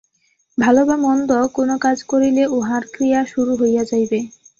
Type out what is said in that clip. ভাল বা মন্দ কোন কাজ করিলে উহার ক্রিয়া শুরু হইয়া যাইবে।